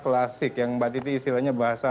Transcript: klasik yang mbak titi istilahnya bahasa